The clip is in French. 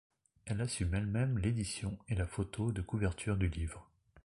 Elle assume elle-même l'édition et la photo de couverture du livre.